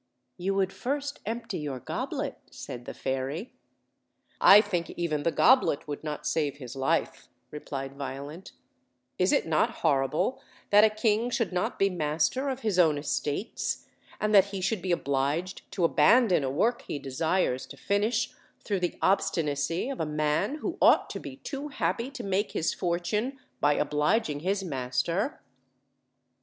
"Yon would first empty your goblet," said the fairy. "I think even the goblet would not save his life," re plied Violent; "is it not horrible that a king should not be master of his own estates, and that he should be obliged to abandon a work he desires to finish through the obstinacy of a man who ought to be too happy to make his fortune by obliging his master?"